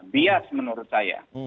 bias menurut saya